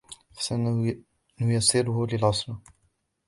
فَسَنُيَسِّرُهُ لِلْعُسْرَى